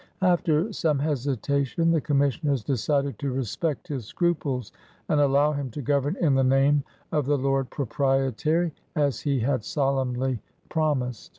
'' After some hesitation the Commissioners decided to respect his scruples and allow him to govern in the name of the Lord Proprietary, as he had solemnly promised.